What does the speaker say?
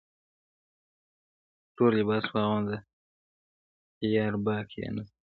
تورلباس واغوندهیاره باک یې نسته-